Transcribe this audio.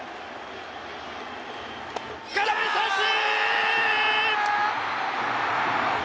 空振り三振！